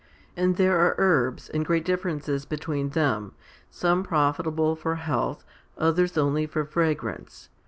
And there are herbs, and great differences between them some profitable for health, others only for fragrance.